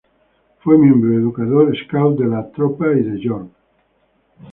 Fue miembro y educador scout de la "Tropa I de York".